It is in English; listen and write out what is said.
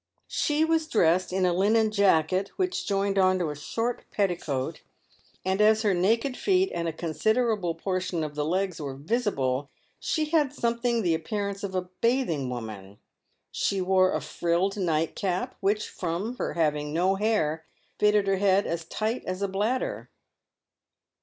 She was dressed in a linen jacket, which joined on to a short petticoat, and as her naked feet and a considerable portion of the legs were visible, she had something the appearance of a bathing woman. She wore a frilled nightcap, which, from her having no hair, fitted her head as tight as a bladder.